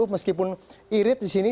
meskipun irit di sini